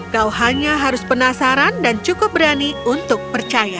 kau hanya harus penasaran dan cukup berani untuk percaya